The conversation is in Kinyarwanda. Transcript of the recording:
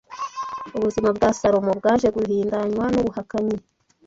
ubuzima bwa Salomo bwaje guhindanywa n’ubuhakanyi